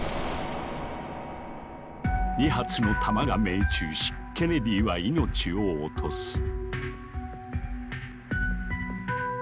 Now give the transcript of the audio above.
２発の弾が命中しケネディは命を落とす。